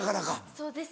そうです。